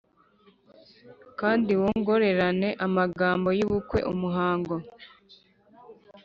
kandi wongorerane amagambo yubukwe-umuhango -